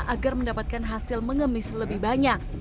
agar mendapatkan hasil mengemis lebih banyak